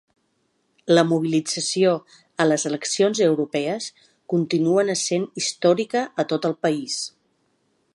La mobilització a les eleccions europees continua essent històrica a tot el país.